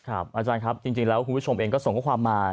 อาจารย์ครับจริงแล้วคุณผู้ชมเองก็ส่งข้อความมา